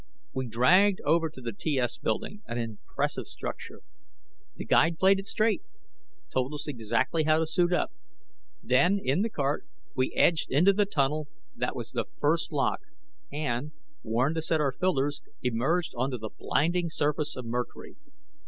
We dragged over to the TS building, an impressive structure. The guide played it straight, told us exactly how to suit up. Then, in the cart, we edged into the tunnel that was the first lock, and warned to set our filters emerged onto the blinding surface of Mercury.